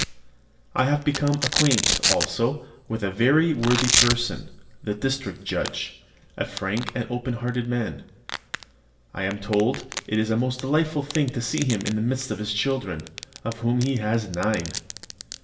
I have become acquainted, also, with a very worthy person, the district judge, a frank and open hearted man. I am told it is a most delightful thing to see him in the midst of his children, of whom he has nine.